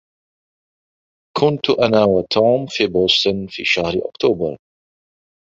كنت انا وتوم في بوسطن في شهر أكتوبر.